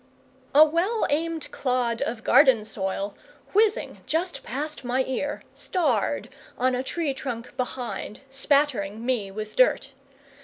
A well aimed clod of garden soil, whizzing just past my ear, starred on a tree trunk behind, spattering me with dirt.